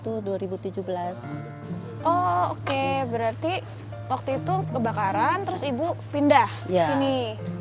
oh oke berarti waktu itu kebakaran terus ibu pindah ke sini